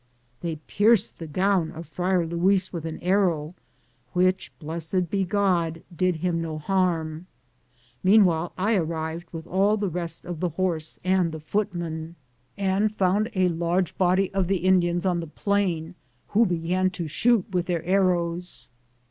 They pierced the gown of Friar Luis with an arrow, which, blessed be God, did him no harm. Meanwhile I ar rived with all the rest of the horse and the 168 am Google THE JOURNEY OP COHONADO footmen, and found a large body of the In dians on the plain, who began to shoot with their arrows.